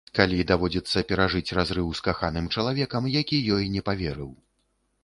Каці даводзіцца перажыць разрыў з каханым чалавекам, які ёй не паверыў.